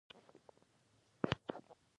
زما ویښتان تور دي